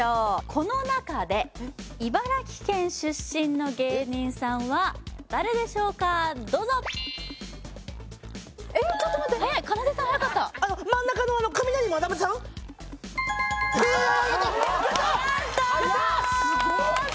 この中で茨城県出身の芸人さんは誰でしょうかどうぞかなでさんはやかった真ん中のカミナリまなぶさんやったやったやった！すごっ！